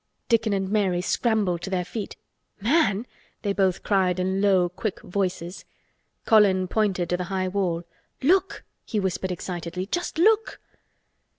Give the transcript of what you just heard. Dickon and Mary scrambled to their feet. "Man!" they both cried in low quick voices. Colin pointed to the high wall. "Look!" he whispered excitedly. "Just look!"